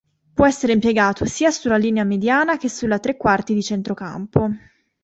Può essere impiegato sia sulla linea mediana che sulla trequarti di centrocampo.